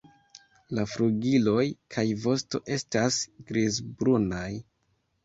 La flugiloj kaj vosto estas grizbrunaj.